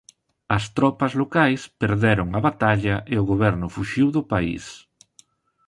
As tropas locais perderon a batalla e o goberno fuxiu do país.